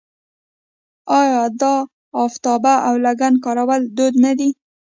آیا د افتابه او لګن کارول دود نه دی؟